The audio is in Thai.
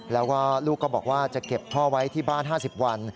แล้วก็ลูกก็บอกว่าจะเก็บพ่อไว้ที่บ้าน๕๐วัน